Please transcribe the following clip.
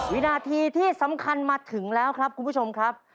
วินาทีที่สำคัญมาถึงแล้วครับคุณผู้ชมครับ